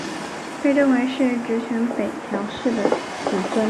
被认为是执权北条氏的子孙。